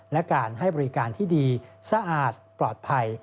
และการให้บริการที่ดีสะอาดปลอดภัย